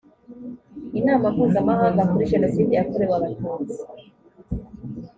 inama mpuzamahanga kuri jenoside yakorewe abatutsi